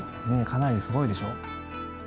かなりすごいでしょ。